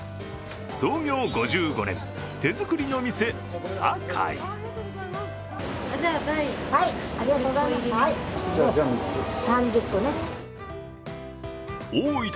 創業５５年、手作りの店さかい。